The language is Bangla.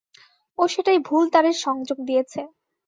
ও সেটায় ভুল তারের সংযোগ দিয়েছে।